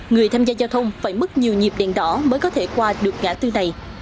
người tham gia giao thông phải mất nhiều nhịp đèn đỏ mới có thể qua được ngã tư này